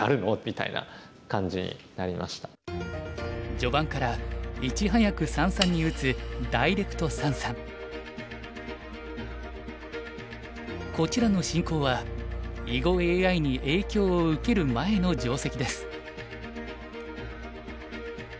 序盤からいち早く三々に打つこちらの進行は囲碁ＡＩに影響を受ける前の定石です。